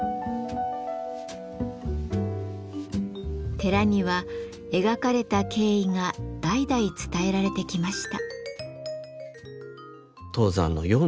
寺には描かれた経緯が代々伝えられてきました。